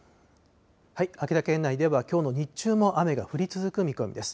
秋田県内ではきょうの日中も雨が降り続く見込みです。